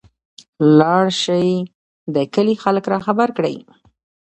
لاړشى د کلي خلک راخبر کړى.